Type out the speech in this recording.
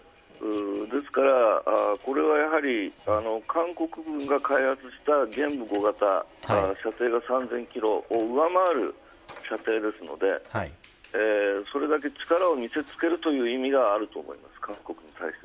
ですから、これはやはり韓国軍が開発した射程が３０００キロを上回る射程ですのでそれだけ力を見せつけるという意味があると思います。